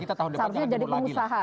harapnya jadi pengusaha